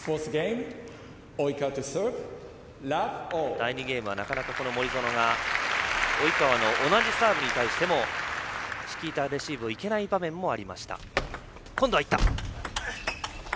第２ゲームは、なかなか森薗が及川の同じサーブに対してもチキータレシーブをいけない場面もありました。